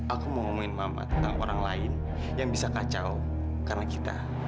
aku mau ngomongin mama tentang orang lain yang bisa kacau karena kita